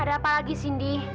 ada apa lagi sindi